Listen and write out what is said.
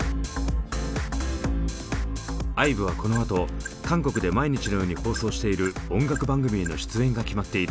ＩＶＥはこのあと韓国で毎日のように放送している音楽番組への出演が決まっている。